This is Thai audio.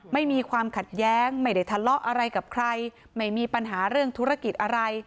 ไม่มีความขัดแย้งไม่ได้ทะเลาะอะไรกับใครไม่มีปัญหาเรื่องธุรกิจอะไร